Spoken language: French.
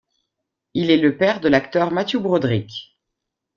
Il est le père de l'acteur Matthew Broderick.